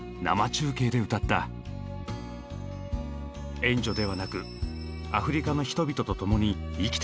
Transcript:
「援助ではなくアフリカの人々とともに生きていく」。